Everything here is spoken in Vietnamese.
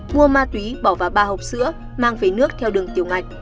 mua ma túy bỏ vào ba hộp sữa mang về nước theo đường tiểu ngạch